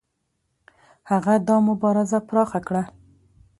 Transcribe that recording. هغه دا مبارزه پراخه کړه.